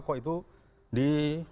kok itu di